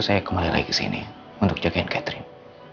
saya kembali lagi ke sini untuk jagain catherine